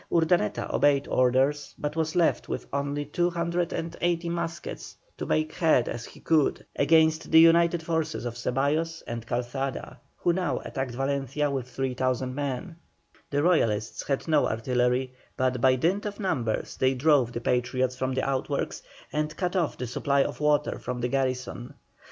Urdaneta obeyed orders, but was left with only 280 muskets to make head as he could against the united forces of Ceballos and Calzada, who now attacked Valencia with 3,000 men. The Royalists had no artillery, but by dint of numbers they drove the Patriots from the outworks, and cut off the supply of water from the garrison.